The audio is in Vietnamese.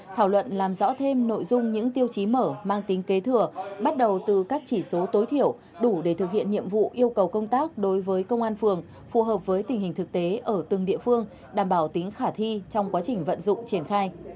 thảo luận làm rõ thêm nội dung những tiêu chí mở mang tính kế thừa bắt đầu từ các chỉ số tối thiểu đủ để thực hiện nhiệm vụ yêu cầu công tác đối với công an phường phù hợp với tình hình thực tế ở từng địa phương đảm bảo tính khả thi trong quá trình vận dụng triển khai